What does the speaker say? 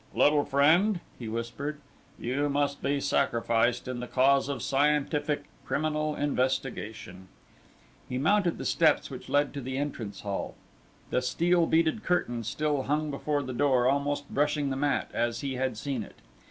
"Little friend," he whispered, "You must be sacrificed in the cause of scientific criminal investigation." He mounted the steps which led to the entrance hall. The steel beaded curtain still hung before the door almost brushing the mat as he had seen it.